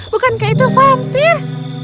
bukankah itu vampir